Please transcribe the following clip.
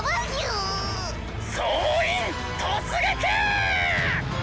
総員突撃！